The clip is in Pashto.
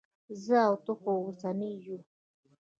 زه او ته خو اوسني نه یو.